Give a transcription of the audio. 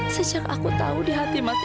sejak aku tahu di hati mas iksan